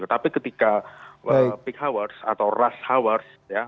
tapi ketika peak hours atau rush hours ya